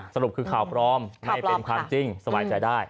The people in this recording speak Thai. สรุปคือข่าวปลอมไม่เป็นความจริงสบายใจได้